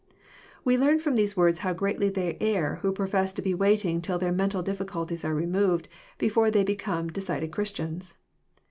We learn firom these words how greatly they err who profess to be waiting till their mental difficulties are removed before they become decided Christians.